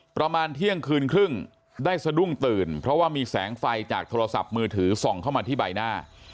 ประมาณเที่ยงคืนครึ่งได้สะดุ้งตื่นเพราะว่ามีแสงไฟจากโทรศัพท์มือถือส่องเข้ามาที่ใบหน้า